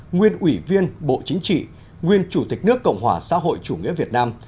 nguyên ủy viên bộ chính trị nguyên chủ tịch nước cộng hòa xã hội chủ nghĩa việt nam